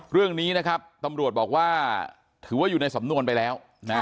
เรื่องนี้ตำรวจบอกว่าถืออยู่ในสำนวนไปแล้ว